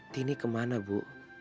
tini kemana bu